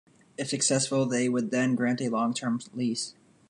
If successful they would then grant a long-term lease.